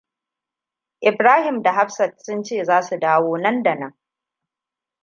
Ibrahim da Hafsat sun ce za su dawo nan da nan.